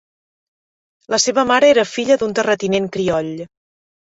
La seva mare era filla d'un terratinent crioll.